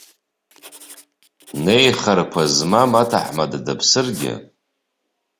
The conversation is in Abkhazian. Неихарқәа змам аҭаҳмада дыԥсыргьы.